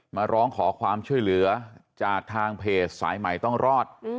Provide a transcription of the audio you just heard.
มาร้องขอความช่วยเหลือจากทางเพจสายใหม่ต้องรอด